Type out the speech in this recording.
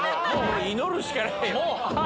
祈るしかない。